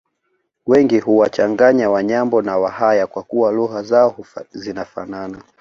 Wengi huwachanganya Wanyambo na wahaya kwa kuwa lugha zao zinafanana